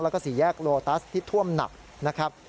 แล้วก็สี่แยกโลตัสที่ท่วมหนักนะครับ